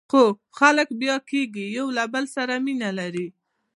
خو خلک بیا کېږي، یو له بل سره مینه لري.